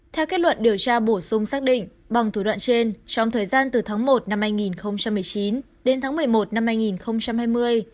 theo kết luận điều tra bổ sung xác định bằng thủ đoạn trên trong thời gian từ tháng một năm hai nghìn một mươi chín đến tháng một mươi một năm hai nghìn hai mươi